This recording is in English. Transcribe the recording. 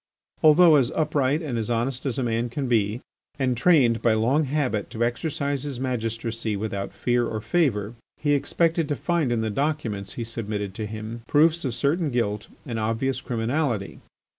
Although as upright and honest as a man can be, and trained by long habit to exercise his magistracy without fear or favour, he expected to find in the documents he submitted to him proofs of certain guilt and obvious criminality.